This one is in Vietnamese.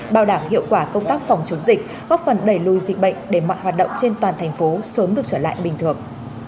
bảo đảm hiệu quả công tác phòng chống dịch góp phần đẩy lùi dịch bệnh để mọi hoạt động trên toàn thành phố sớm được trở lại bình thường